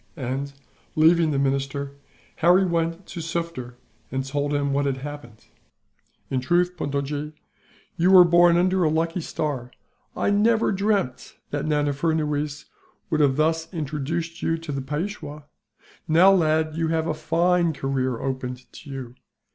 And, leaving the minister, Harry went to Sufder and told him what had happened. "In truth, Puntojee, you were born under a lucky star. I never dreamt that Nana Furnuwees would have thus introduced you to the Peishwa. Now, lad, you have a fine career opened to you.